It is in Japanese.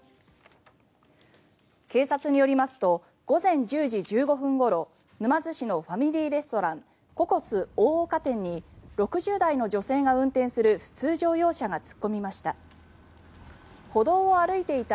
警察によりますと午前１０時１５分ごろ沼津市のファミリーレストランココス大岡店に６０代の女性が運転する普通乗用車が突っ込みました。